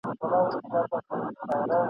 که سکندر دی که رستم دی عاقبت ورته غوزاریږی !.